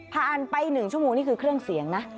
ผ่านไปหนึ่งชั่วโมงนี่คือเครื่องเสียงนะ